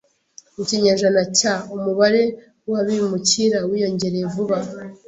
Mu kinyejana cya , umubare w'abimukira wiyongereye vuba.